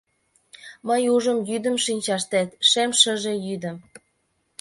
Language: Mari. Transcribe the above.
Мый ужым йӱдым шинчаштет, Шем шыже йӱдым.